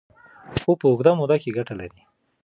خو په اوږده موده کې ګټه لري.